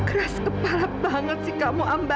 keras kepala banget kamu ambar